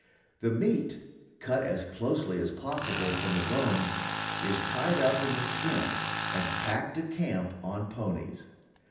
The meat, cut as closely as possible from the bones, is tied up in the skin, and packed to camp on the ponies.